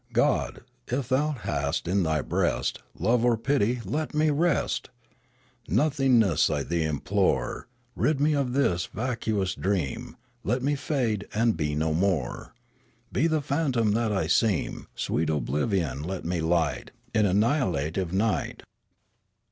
God, if thou hast in thy breast Love or pity, let me rest ! Nothingness, I thee implore, Rid me of this vacuous dream, Let me fade and be no more, Be the phantom that I seem ! Sweet Oblivion, let me light In annihilative night